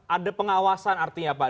ada pengawasan artinya pak